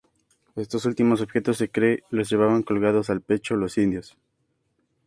Estos últimos objetos se cree los llevaban colgados al pecho los indios.